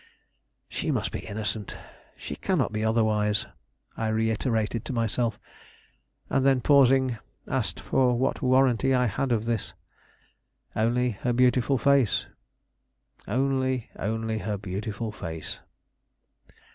"She must be innocent; she cannot be otherwise," I reiterated to myself, and then pausing, asked what warranty I had of this? Only her beautiful face; only, only her beautiful face.